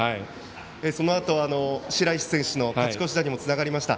そのあとは白石選手の勝ち越し打にもつながりました。